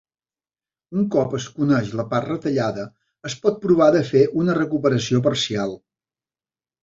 Un cop es coneix la part retallada, es pot provar de fer una recuperació parcial.